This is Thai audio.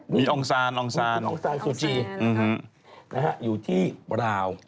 มีองค์ซานองค์ซานสูจินะฮะอยู่ที่ราว